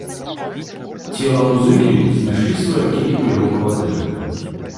Цела музыкі знайшлі сваякі ў яго кватэры.